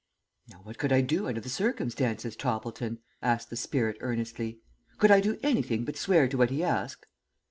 "Now what could I do under the circumstances, Toppleton?" asked the spirit earnestly. "Could I do anything but swear to what he asked?"